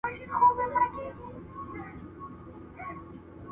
هر غير شرعي عمل د الله تعالی سره د انسان اړيکي شکوي.